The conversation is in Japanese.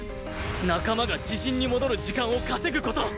仲間が自陣に戻る時間を稼ぐ事！